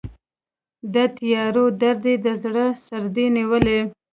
د تیارو درد یې د زړه سردې نیولی